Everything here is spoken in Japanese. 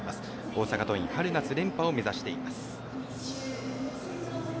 大阪桐蔭、春夏連覇を目指しています。